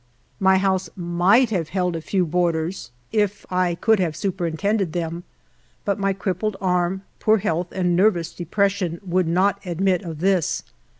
My house might have held a few board ers, if I could have superintended them, but my crippled arm, poor health, and nervous depression, would not admit of this.